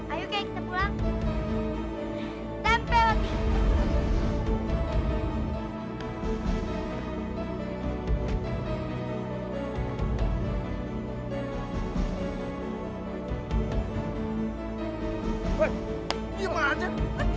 aduh aduh aduh